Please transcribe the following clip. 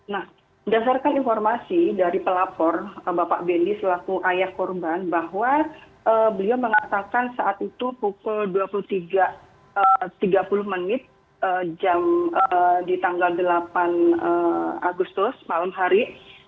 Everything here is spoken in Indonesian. nah berdasarkan informasi dari pelapor bapak benny selaku ayah korban bahwa beliau mengatakan saat itu pukul dua puluh tiga puluh menit di tanggal delapan agustus malam hari